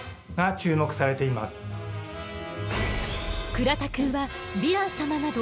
倉田くんはヴィラン様など